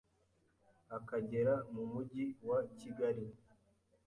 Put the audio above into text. akagera mu mujyi wa Kigali